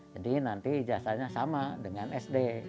jadi nanti ijazahnya sama dengan sd